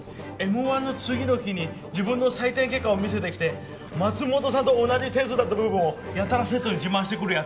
Ｍ−１の次の日に自分の採点結果を見せてきて松本さんと同じ点数だった部分をやたら生徒に自慢してくる奴。